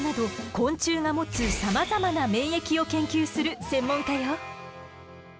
昆虫が持つさまざまな免疫を研究する専門家よ。